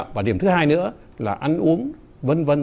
và điểm thứ hai nữa là ăn uống vân vân